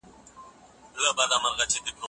استاد وویل چي دا موضوع ډېره تکراري ده.